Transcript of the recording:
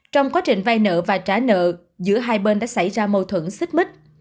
trong quá trình vay nợ và trả nợ giữa hai bên đã xảy ra mâu thuẫn xích mít